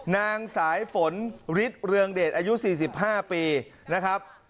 นางสายฝนฤทธิ์เรืองเดชอายุ๔๕ปีนะครับ